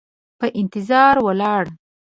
په انتظار ولاړه،